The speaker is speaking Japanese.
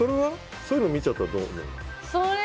そういうのを見ちゃったらどう思う？